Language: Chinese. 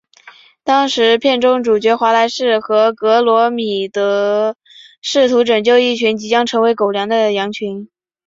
当时片中主角华莱士和格罗米特试图拯救一群即将成为狗粮的羊群。